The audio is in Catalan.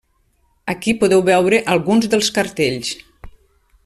Aquí podeu veure alguns dels cartells.